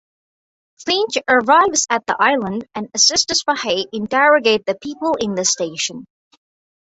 Finch arrives at the island and assists Fahey interrogate the people in the station.